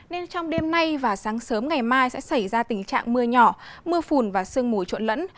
nên trong đêm nay và sáng sớm ngày mai sẽ xảy ra tình trạng mưa nhỏ mưa phùn và sương mù trộn lẫn